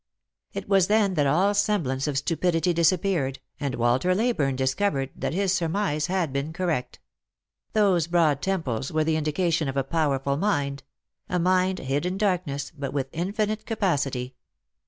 It was then that all semblance of stupidity disappeared, and Walter Ley burne discovered that his surmise had been correct. Those broad temples were the indication of a powerful mind ; a mind hid in darkness, but with infinite capacity.